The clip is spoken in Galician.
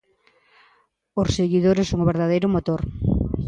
Os seguidores son o verdadeiro motor.